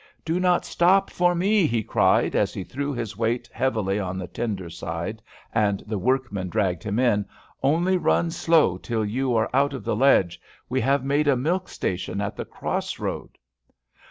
"Do not stop for me," he cried, as he threw his weight heavily on the tender side, and the workmen dragged him in. "Only run slow till you are out of the ledge: we have made a milk station at the cross road."